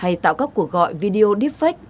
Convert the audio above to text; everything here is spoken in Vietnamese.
hay tạo các cuộc gọi video deepfake